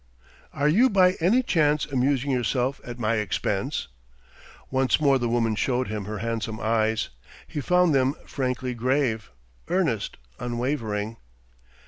"Are you by any chance amusing yourself at my expense?" Once more the woman showed him her handsome eyes: he found them frankly grave, earnest, unwavering.